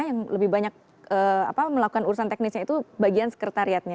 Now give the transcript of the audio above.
yang lebih banyak melakukan urusan teknisnya itu bagian sekretariatnya